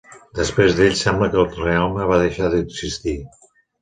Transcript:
Després d'ells sembla que el reialme va deixar d'existir.